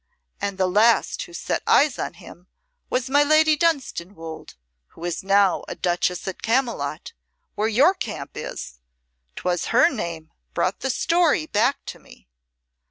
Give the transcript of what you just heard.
And the last who set eyes on him was my Lady Dunstanwolde, who is now a Duchess at Camylott, where your camp is. 'Twas her name brought the story back to me."